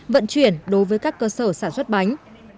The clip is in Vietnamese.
vận chuyển đối với các cơ sở sản xuất bánh